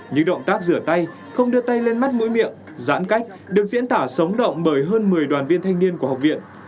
những động tác rửa tay không đưa tay lên mắt mũi miệng giãn cách được diễn tả sống động bởi hơn một mươi đoàn viên thanh niên của học viện